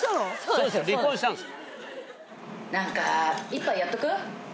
そうです離婚したんです。